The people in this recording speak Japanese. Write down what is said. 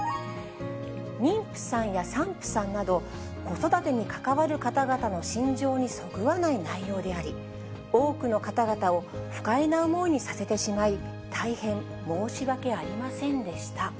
妊婦さんや産婦さんなど、子育てに関わる方々の心情にそぐわない内容であり、多くの方々を不快な思いにさせてしまい、大変申し訳ありませんでした。